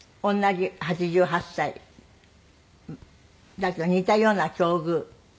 だけど似たような境遇。